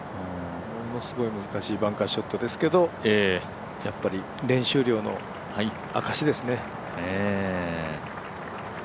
ものすごい難しいバンカーショットですけどやっぱり練習量の証しですね。